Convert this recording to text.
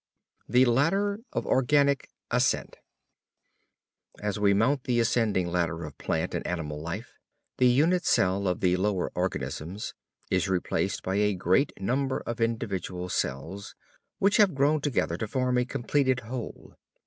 THE LADDER OF ORGANIC ASCENT As we mount the ascending ladder of plant and animal life the unit cell of the lower organisms is replaced by a great number of individual cells, which have grown together to form a completed whole.